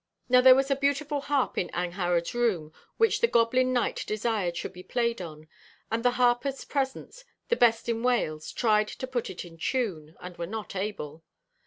Now there was a beautiful harp in Angharad's room, which the goblin knight desired should be played on; 'and the harpers present, the best in Wales, tried to put it in tune, and were not able.'